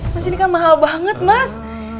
mas ini kan mahal banget mas